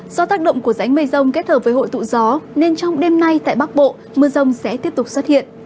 do tác động của rãnh mây rông kết hợp với hội tụ gió nên trong đêm nay tại bắc bộ mưa rông sẽ tiếp tục xuất hiện